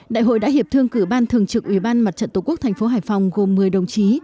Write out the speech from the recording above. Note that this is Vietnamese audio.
đại hội đã hiệp thương cử ban thường trực ủy ban mặt trận tổ quốc thành phố hải phòng gồm một mươi đồng chí